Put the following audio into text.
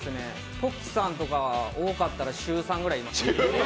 トキさんとか多かったら週３ぐらいいました。